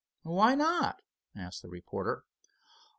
"Why not?" asked the reporter.